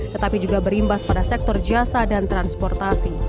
tetapi juga berimbas pada sektor jasa dan transportasi